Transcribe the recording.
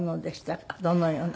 どのような。